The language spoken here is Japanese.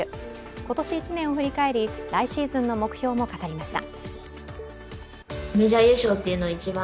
今年１年を振り返り、来シーズンの目標も語りました。